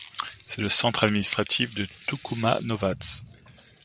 C'est le centre administratif de Tukuma novads.